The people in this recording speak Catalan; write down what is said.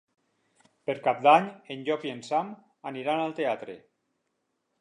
Per Cap d'Any en Llop i en Sam aniran al teatre.